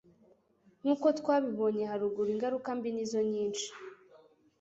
Nkuko twabibonye haruguru ingaruka mbi nizo nyinshi